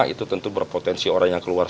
itu tentu berpotensi orang yang keluar